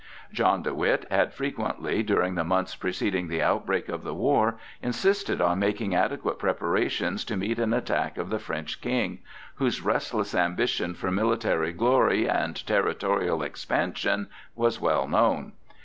John de Witt had frequently, during the months preceding the outbreak of the war, insisted on making adequate preparations to meet an attack of the French King, whose restless ambition for military glory and territorial expansion was well known.